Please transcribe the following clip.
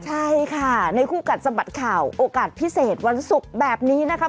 ใช่ค่ะในคู่กัดสะบัดข่าวโอกาสพิเศษวันศุกร์แบบนี้นะคะ